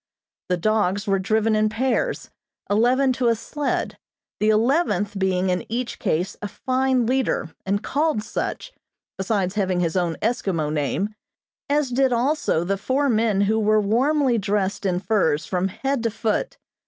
The dogs were driven in pairs, eleven to a sled, the eleventh being in each case a fine leader and called such, besides having his own Eskimo name, as did also the four men who were warmly dressed in furs from head to foot.